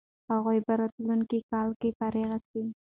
هغوی به راتلونکی کال فارغ سي.